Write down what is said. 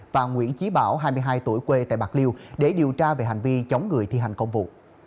và nguyễn trí bảo hai mươi hai tuổi quê tại bạc liêu để điều tra về hành vi chống người thi hành công vụ